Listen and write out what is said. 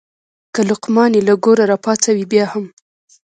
که لقمان یې له ګوره راپاڅوې بیا هم.